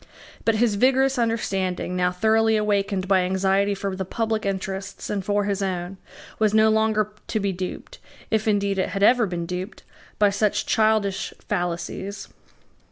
But his vigorous understanding, now thoroughly awakened by anxiety for the public interests and for his own, was no longer to be duped, if indeed it ever had been duped, by such childish fallacies.